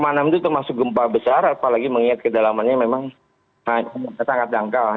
enam itu termasuk gempa besar apalagi mengingat kedalamannya memang sangat dangkal